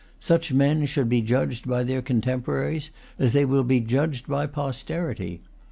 Such men should be judged by their contemporaries as they will be judged by posterity.